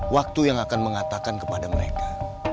waktu yang akan mengatakan kepada mereka